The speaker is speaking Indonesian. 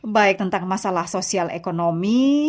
baik tentang masalah sosial ekonomi